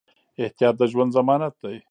احتیاط د ژوند ضمانت دی.